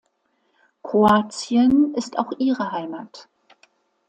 Kroatien ist auch ihre Heimat.